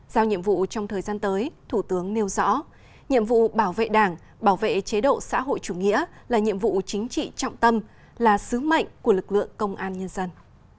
giao nhiệm vụ trong thời gian tới thủ tướng nêu rõ nhiệm vụ bảo vệ đảng bảo vệ chế độ xã hội chủ nghĩa là nhiệm vụ chính trị trọng tâm là sứ mệnh của lực lượng công an nhân dân